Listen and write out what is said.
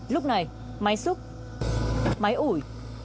lúc này máy xúc máy ủi